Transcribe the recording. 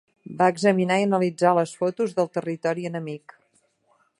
Va examinar i analitzar les fotos del territori enemic.